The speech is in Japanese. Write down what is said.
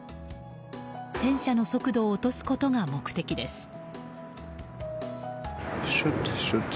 戦車の速度を落とすことが目的です。